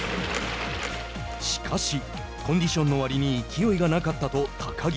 しかしコンディションの割に勢いがなかったと高木。